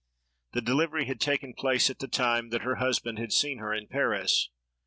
The delivery had taken place at the time that her husband had seen her in Paris.